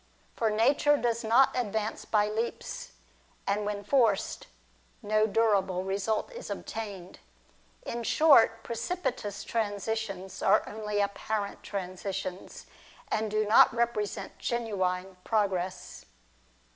For nature does not advance by leaps ; and when forced, no durable result is obtained. In short, precipitous transitions are only apparent transitions, and do not represent genuine progress.